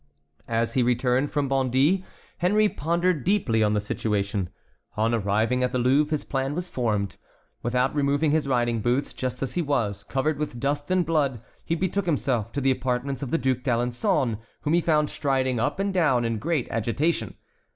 As he returned from Bondy Henry pondered deeply on the situation. On arriving at the Louvre his plan was formed. Without removing his riding boots, just as he was, covered with dust and blood, he betook himself to the apartments of the Duc d'Alençon, whom he found striding up and down in great agitation.